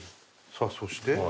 さあそして？